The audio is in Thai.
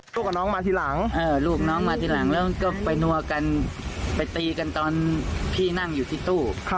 พวกกับน้องมาทีหลังลูกน้องมาทีหลังแล้วก็ไปนัวกันไปตีกันตอนพี่นั่งอยู่ที่ตู้